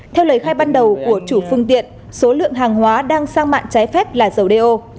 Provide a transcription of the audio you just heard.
theo lời khai ban đầu của chủ phương tiện số lượng hàng hóa đang sang mạng trái phép là dầu đeo